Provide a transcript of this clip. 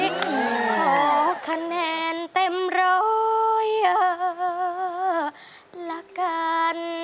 ขอคะแนนเต็มร้อยเออละกัน